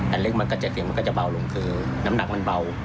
แต่ลึกมันก็๗เสียงมันก็จะเบาลงคือน้ำหนักมันเบา